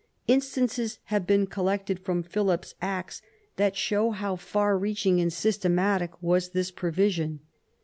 Instances have been collected from Philip's acts that show how far reaching and systematic was this provision.